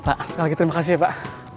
pak sekali lagi terima kasih pak